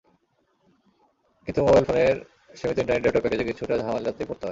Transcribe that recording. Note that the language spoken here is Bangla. কিন্তু মোবাইল ফোনের সীমিত ইন্টারনেট ডেটা প্যাকেজে কিছুটা ঝামেলাতেই পড়তে হয়।